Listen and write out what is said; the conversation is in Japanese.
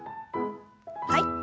はい。